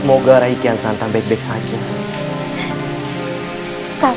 semoga raih kian santan baik baik saja